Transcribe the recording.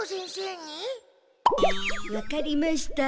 わかりました。